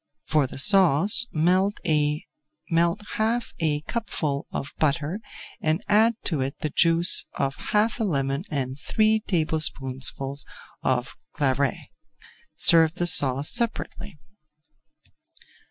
For the sauce, melt half a cupful of butter and add to it the juice of half a lemon and three tablespoonfuls of Claret. Serve the sauce separately.